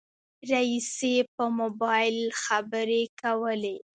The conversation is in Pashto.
رئيسې په موبایل خبرې کولې.